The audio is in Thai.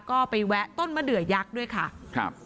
ก็ไปแวะต้นมะเดือยักษ์ด้วยค่ะครับ